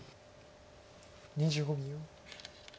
２５秒。